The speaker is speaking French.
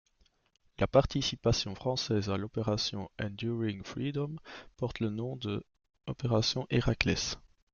La participation française à l'opération Enduring Freedom porte le nom de opération Héraclès.